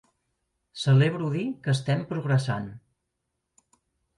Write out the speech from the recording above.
Celebro dir que estem progressant.